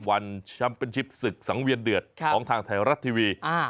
แชมป์เป็นชิปศึกสังเวียนเดือดของทางไทยรัฐทีวี